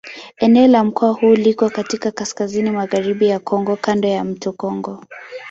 Eneo la mkoa huu liko katika kaskazini-magharibi ya Kongo kando ya mto Kongo.